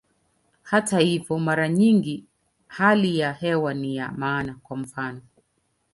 Hata hivyo, mara nyingi hali ya hewa ni ya maana, kwa mfano.